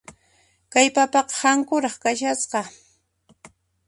Kay papaqa hankuras kashasqa.